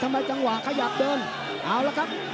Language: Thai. จังหวะขยับเดินเอาละครับ